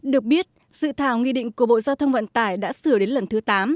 được biết dự thảo nghi định của bộ giao thông vận tải đã sửa đến lần thứ tám